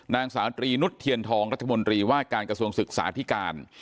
นางสาวตรีนุษย์เทียนทองรัฐมนตรีว่าการกระทรวงศึกษาที่การ